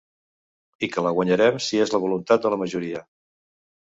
I que la guanyarem si és la voluntat de la majoria.